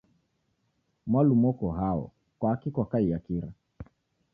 Mwalumu oko hao, kwaki kwakaiya kira?